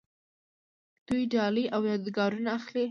دوی ډالۍ او یادګارونه اخلي.